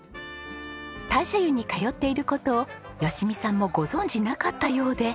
大社湯に通っている事を淑美さんもご存じなかったようで。